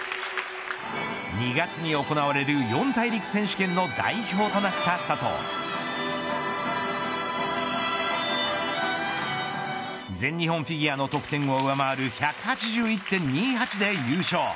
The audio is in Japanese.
２月に行われる四大陸選手権の代表となった佐藤全日本フィギュアの得点を上回る１８１．２８で優勝。